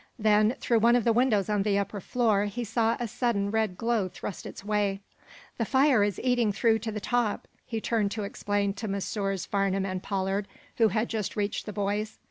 Then, through one of the windows on the upper floor he saw a sudden red glow thrust its way. "The fire is eating through to the top," he turned to explain to Messrs. Farnum and Pollard, who had just reached the boys.